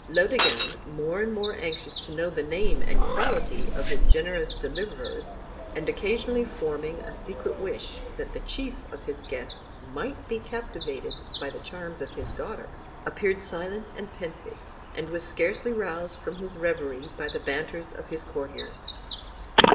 Laodegan, more and more anxious to know the name and quality of his generous deliverers, and occasionally forming a secret wish that the chief of his guests might be captivated by the charms of his daughter, appeared silent and pensive, and was scarcely roused from his reverie by the banters of his courtiers.